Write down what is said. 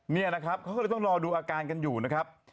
เขาก็เลยต้องรอดูอาการกันอยู่นะครับ